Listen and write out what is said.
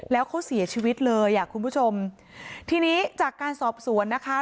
แล้วเขาเสียชีวิตเลยอ่ะคุณผู้ชมทีนี้จากการสอบสวนนะคะ